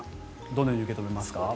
どのように受け止めますか？